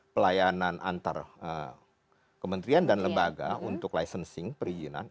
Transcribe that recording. pelayanan antar kementerian dan lembaga untuk licensing perizinan